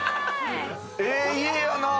ええ家やなぁ。